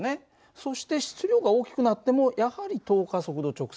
そして質量が大きくなってもやはり等加速度直線運動をしている。